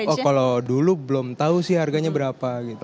oh kalau dulu belum tahu sih harganya berapa gitu